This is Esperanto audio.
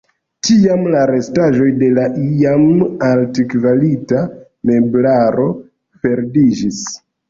Tiam la restoj de la iam altkvalita meblaro perdiĝis.